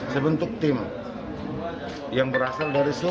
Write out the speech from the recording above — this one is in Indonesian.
saya bentuk tim yang berasal dari semua